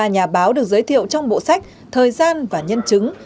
bốn mươi ba nhà báo được giới thiệu trong bộ sách thời gian và nhân chứng